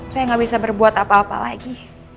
saya nggak bisa berbuat apa apa lagi